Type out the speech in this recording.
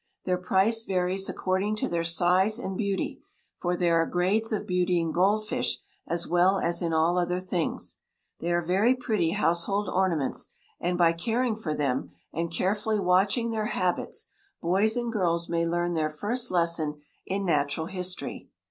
Their price varies according to their size and beauty, for there are grades of beauty in gold fish as well as in all other things. They are very pretty household ornaments, and by caring for them and carefully watching their habits, boys and girls may learn their first lesson in natural history.